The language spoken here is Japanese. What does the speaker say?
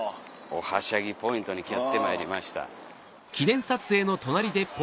おはしゃぎポイントにやってまいりました。